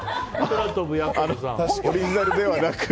オリジナルではなく。